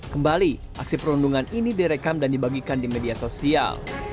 kembali aksi perundungan ini direkam dan dibagikan di media sosial